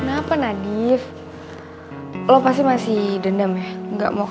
op siang ini o organizasi ini kok bisactme ke panggung